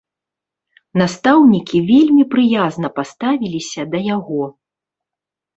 Настаўнікі вельмі прыязна паставіліся да яго.